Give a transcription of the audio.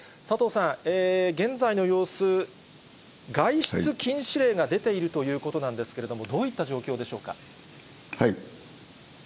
佐藤さん、現在の様子、外出禁止令が出ているということなんですけれども、どういった状況でしょうか。